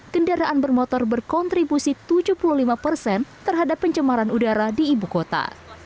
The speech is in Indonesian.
kendaraan bermotor berkontribusi tujuh puluh lima persen terhadap pencemaran udara di ibu kota